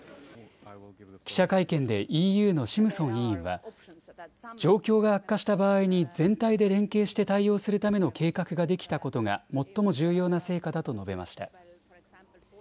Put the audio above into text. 記者会見でＥＵのシムソン委員は状況が悪化した場合に全体で連携して対応するための計画ができたことが最も重要な成果だと述べました。